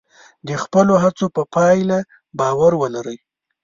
د خپلو هڅو په پایله باور ولرئ.